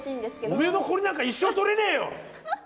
おめぇの凝りなんか、一生取れねえよ！